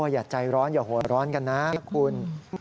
อย่าใจร้อนอย่าหัวร้อนกันนะคุณ